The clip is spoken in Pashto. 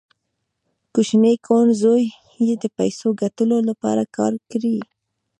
کوچني کوڼ زوی یې د پیسو ګټلو لپاره کار کړی